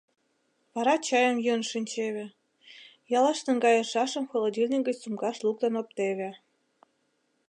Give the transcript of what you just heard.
Вара чайым йӱын шинчеве, ялыш наҥгайышашым холодильник гыч сумкаш луктын оптеве.